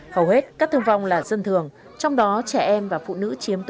hầu hết các thương vong là dân thường trong đó trẻ em và phụ nữ chiếm tới bảy mươi